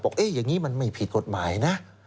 อย่างนี้มันไม่ผิดกฎหมายนะ